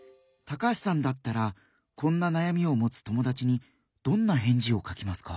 高橋さんだったらこんな悩みを持つ友だちにどんな返事を書きますか？